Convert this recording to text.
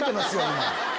今。